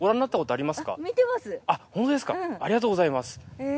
ありがとうございます。